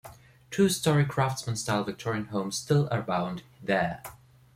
Two-story Craftsman-style Victorian homes still abound there.